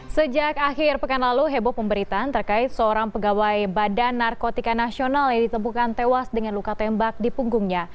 sejak akhir pekan lalu heboh pemberitaan terkait seorang pegawai badan narkotika nasional yang ditemukan tewas dengan luka tembak di punggungnya